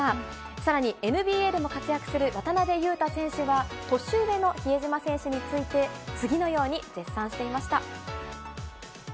さらにＮＢＡでも活躍する渡邊雄太選手は、年上の比江島選手について、次のように絶賛していました。